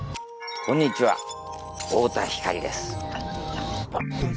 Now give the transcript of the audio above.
こんにちは太田光です。